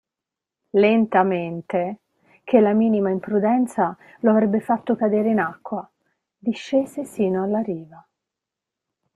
Lentamente, ché la minima imprudenza lo avrebbe fatto cadere in acqua, discese sino alla riva.